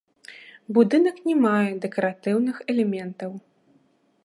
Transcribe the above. Будынак не мае дэкаратыўных элементаў.